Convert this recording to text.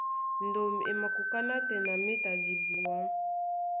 Ndôm e makoká nátɛna méta dibuá.